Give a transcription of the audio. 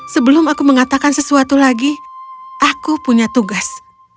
sebelum aku mengatakan sesuatu lagi aku punya tugas